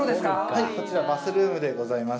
はい、こちら、バスルームでございます。